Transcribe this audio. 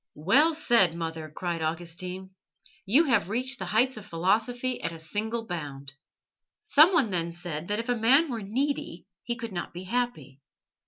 "Well said, mother!" cried Augustine. "You have reached the heights of philosophy at a single bound." Someone then said that if a man were needy he could not be happy.